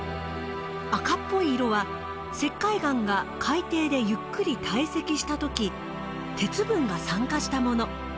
赤っぽい色は石灰岩が海底でゆっくり堆積した時鉄分が酸化したもの。